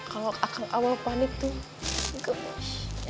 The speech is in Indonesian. kalau akang abah pani tuh gemes